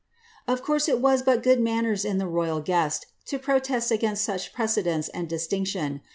Of course it was but good manners in the royal guests to protest against such precedence and distinction.